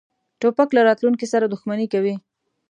توپک له راتلونکې سره دښمني کوي.